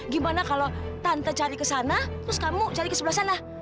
gimana kalau tante cari ke sana terus kamu cari ke sebelah sana